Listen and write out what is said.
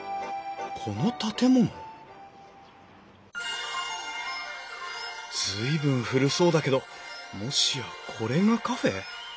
この建物随分古そうだけどもしやこれがカフェ？